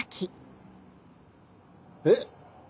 えっ？